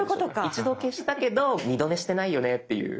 一度消したけど二度寝してないよねっていう。